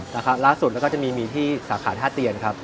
แล้วล่าสุดก็จะมีที่สาขาท่าเตียนครับ